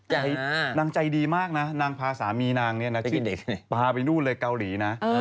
หนังใจดีมากนะหนังผ่าสามีนางนี้ป่าไปนู่นเลยเกาหลีนะ